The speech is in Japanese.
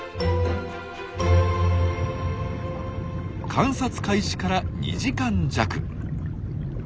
観察開始から２時間弱。